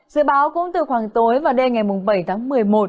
dự báo cũng từ khoảng tối và đêm ngày bảy tháng một mươi một